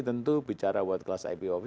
tentu bicara buat kelas ipop